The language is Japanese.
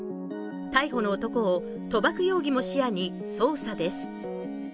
逮捕の男を賭博容疑も視野に捜査です。